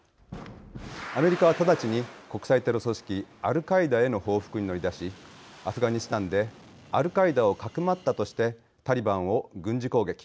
アメリカは直ちに国際テロ組織アルカイダへの報復に乗り出しアフガニスタンでアルカイダをかくまったとしてタリバンを軍事攻撃。